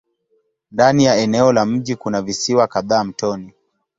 Ndani ya eneo la mji kuna visiwa kadhaa mtoni.